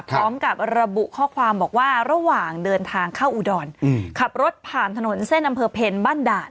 พร้อมกับระบุข้อความบอกว่าระหว่างเดินทางเข้าอุดรขับรถผ่านถนนเส้นอำเภอเพลบ้านด่าน